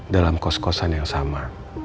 dalam kos kosan yang sama